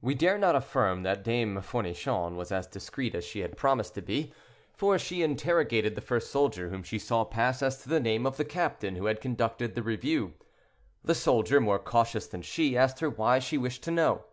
We dare not affirm that Dame Fournichon was as discreet as she had promised to be, for she interrogated the first soldier whom she saw pass as to the name of the captain who had conducted the review. The soldier, more cautious than she, asked her why she wished to know.